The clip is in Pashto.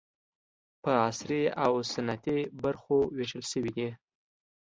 په عصري او سنتي برخو وېشل شوي دي.